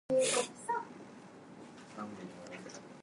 He is currently employed as a coach and community officer at Gateshead.